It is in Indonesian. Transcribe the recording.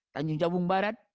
tanjung jabung barat